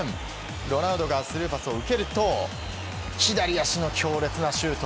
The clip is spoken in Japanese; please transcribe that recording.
ロナウドがスルーパスを受けると左足の強烈なシュート！